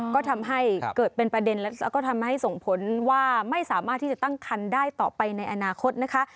ก็ทำให้เกิดเป็นประเด็นแล้วก็ทำให้ส่งผลว่าไม่สามารถที่จะตั้งคันได้ต่อไปในอนาคตนะคะ